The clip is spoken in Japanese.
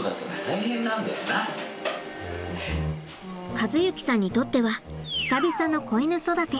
和之さんにとっては久々の子犬育て。